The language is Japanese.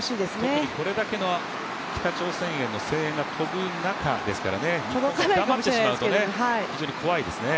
特にこれだけの北朝鮮への声援が飛ぶ中ですからね、日本は黙ってしまうと非常に怖いですね。